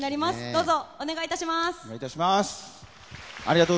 どうぞお願いいたします。